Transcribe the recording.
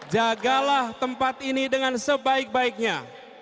jagalah tempat ini dengan sebaik baiknya